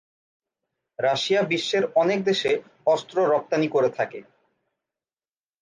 Russia বিশ্বের অনেক দেশে অস্ত্র রপ্তানি করে থাকে।